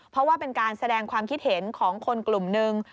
เพราะว่าเป็นการแสดงความคิดเห็นของคนกลุ่มนึง